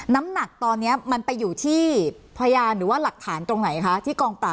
น้ำหนักตอนนี้มันไปอยู่ที่พยานหรือว่าหลักฐานตรงไหนคะที่กองปราบ